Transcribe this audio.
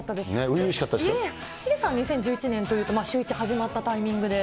いえいえ、ヒデさん、２０１１年というと、シューイチ始まったタイミングで。